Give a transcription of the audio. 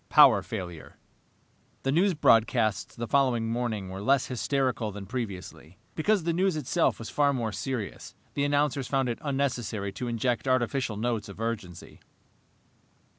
Power Failure The news broadcasts the following morning were less hysterical than previously. Because the news itself was far more serious, the announcers found it unnecessary to inject artificial notes of urgency.